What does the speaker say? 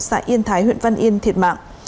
xã yên thái huyện văn yên thiệt mạng